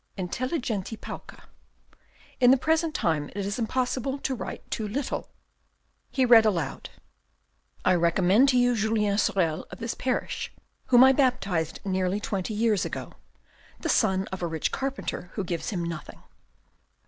" Intelligenti pauca. In the present time it is impossible to write too little." He read aloud :—" I recommend to you Julien Sorel of this parish, whom I baptized nearly twenty years ago, the son of a rich carpenter who gives him nothing.